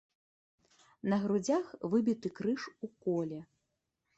На грудзях выбіты крыж у коле.